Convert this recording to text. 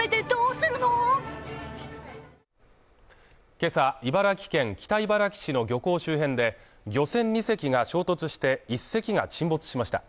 今朝、茨城県北茨城市の漁港周辺で漁船２隻が衝突して、１隻が沈没しました。